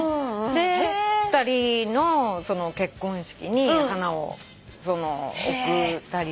２人の結婚式に花を贈ったりして。